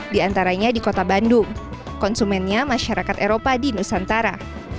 diantaranya di kota bandung konsumennya masyarakat eropa di nusantara